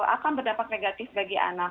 akan berdampak negatif bagi anak